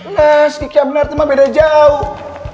nah si kiki aminarti mah beda jauh